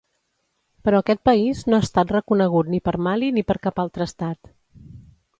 Però aquest país no ha estat reconegut ni per Mali ni per cap altre estat.